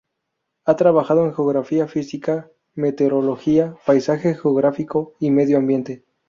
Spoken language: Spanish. Ha trabajado en Geografía Física, Meteorología, Paisaje Geográfico y Medio Ambiente.